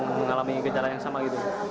mengalami gejala yang sama gitu